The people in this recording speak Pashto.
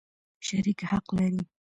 شریک حق لري.